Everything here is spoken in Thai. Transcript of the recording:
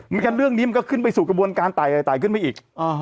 งั้นเรื่องนี้มันก็ขึ้นไปสู่กระบวนการไต่ขึ้นไปอีก